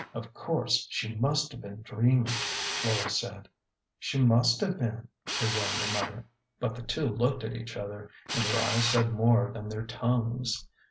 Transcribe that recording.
" Of course she must have been dreaming," Flora said. " She must have been," rejoined her mother. But the two looked at each other, and their eyes said more than their tongues.